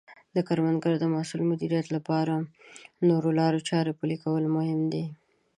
د کروندې د محصول مدیریت لپاره د نوو لارو چارو پلي کول مهم دي.